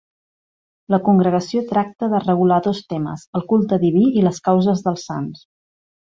La congregació tracta de regular dos temes, el culte diví, i les causes dels sants.